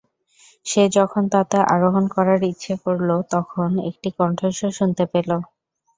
সে যখন তাতে আরোহণ করার ইচ্ছা করল তখন একটি কণ্ঠস্বর শুনতে পেল।